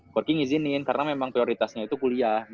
cocking ngizinin karena memang prioritasnya itu kuliah